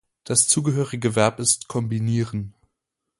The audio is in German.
Das zugehörige Verb ist kombinieren.